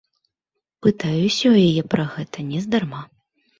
Пытаюся ў яе пра гэта нездарма.